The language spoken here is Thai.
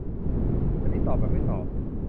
อันนี้ตอบแบบไม่ตอบ